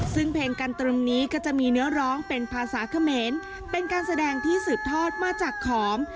ซึ่งเพลงกันตรงนี้ก็จะมีเนื้อร้องเป็นภาษาเขมรเป็นการแสดงที่สืบทอดมาจากขอม